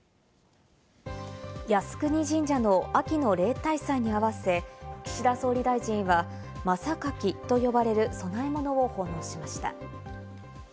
靖国神社の秋の例大祭に合わせ、岸田総理大臣は真榊と呼ばれる供え物を奉納しました。